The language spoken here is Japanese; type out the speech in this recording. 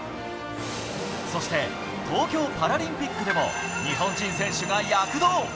そして東京パラリンピックでも日本人選手が躍動。